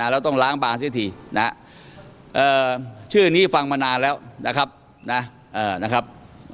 แล้วต้องล้างบางซึ่งสินะครับ